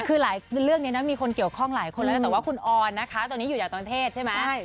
คือหลายเรื่องนี้นะมีคนเกี่ยวข้องหลายคนแล้วนะแต่ว่าคุณออนนะคะตอนนี้อยู่จากกรุงเทพใช่ไหม